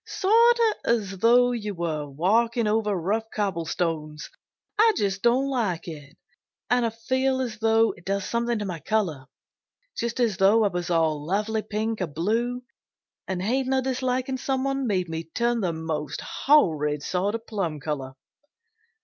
"Sort of as though you were walking over rough cobblestones. I just don't like it. And I feel as though it does something to my color. Just as though I was all lovely pink or blue, and hating or disliking someone made me turn the most horrid sort of plum color."